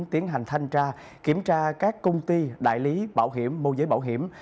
tiến hành thanh tra kiểm tra các công ty đại lý bảo hiểm mô giới bảo hiểm